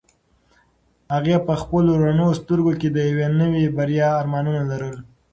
هغې په خپلو رڼو سترګو کې د یوې نوې بریا ارمانونه لرل.